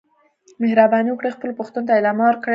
مهرباني وکړئ خپلو پوښتنو ته ادامه ورکړئ.